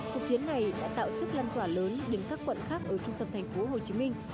cuộc chiến này đã tạo sức lan tỏa lớn đến các quận khác ở trung tâm thành phố hồ chí minh